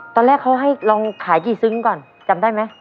ตอนแรกเขาให้ลองขายกี่ซึ้งก่อนจำได้ไหม